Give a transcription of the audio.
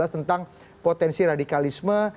tentang potensi radikalisme